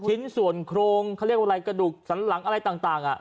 ชิ้นส่วนโครงเขาเรียกว่าอะไรกระดูกสันหลังอะไรต่าง